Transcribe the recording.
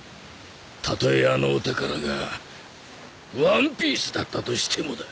たとえあのお宝がワンピースだったとしてもだ。